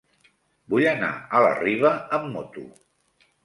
Vull anar a la Riba amb moto.